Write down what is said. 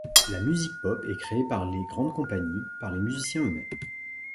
La musique pop est créée par les grandes compagnies, par les musiciens eux-mêmes.